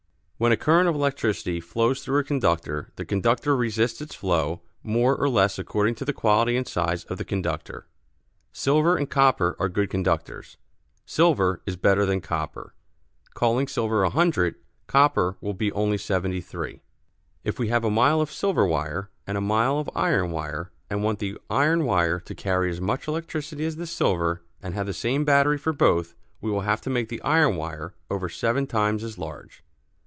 When a current of electricity flows through a conductor the conductor resists its flow more or less according to the quality and size of the conductor. Silver and copper are good conductors. Silver is better than copper. Calling silver 100, copper will be only 73. If we have a mile of silver wire and a mile of iron wire and want the iron wire to carry as much electricity as the silver and have the same battery for both, we will have to make the iron wire over seven times as large.